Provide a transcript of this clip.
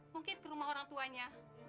mungkin ke rumah orang tuanya